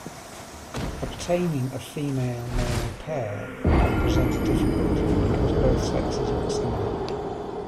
Obtaining a female-male pair can present a difficulty because both sexes look similar.